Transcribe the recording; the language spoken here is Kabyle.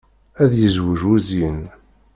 Ad yezweǧ wuzyin.